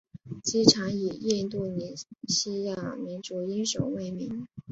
机场以印度尼西亚民族英雄为名。